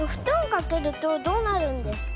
かけるとどうなるんですか？